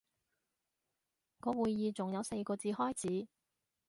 個會議仲有四個字開始